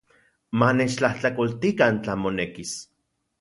Manechtlajtlakoltikan tlan monekis.